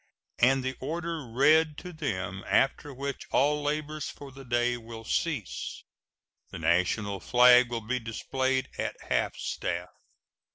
and the order read to them, after which all labors for the day will cease. The national flag will be displayed at half staff.